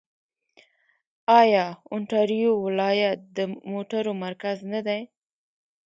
آیا اونټاریو ولایت د موټرو مرکز نه دی؟